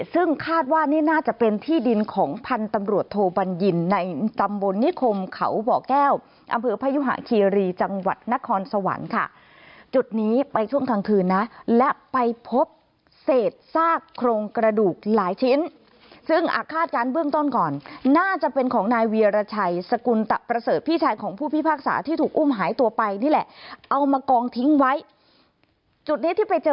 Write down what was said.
ซึ่งคาดว่านี่น่าจะเป็นที่ดินของพันธุ์ตำรวจโทบัญญินในตำบลนิคมเขาบ่อแก้วอำเภอพยุหะคีรีจังหวัดนครสวรรค์ค่ะจุดนี้ไปช่วงกลางคืนนะและไปพบเศษซากโครงกระดูกหลายชิ้นซึ่งอาคาดการณ์เบื้องต้นก่อนน่าจะเป็นของนายเวียรชัยสกุลตะประเสริฐพี่ชายของผู้พิพากษาที่ถูกอุ้มหายตัวไปนี่แหละเอามากองทิ้งไว้จุดนี้ที่ไปเจอ